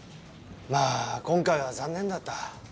まあ今回は残念だった。